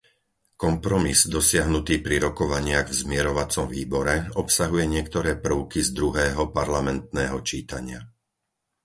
Kompromis dosiahnutý pri rokovaniach v zmierovacom výbore obsahuje niektoré prvky z druhého parlamentného čítania.